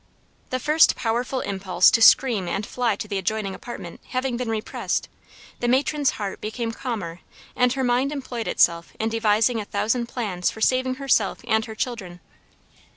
The first powerful impulse to scream and fly to the adjoining apartment having been repressed, the matron's heart became calmer and her mind employed itself in devising a thousand plans for saving herself and her children.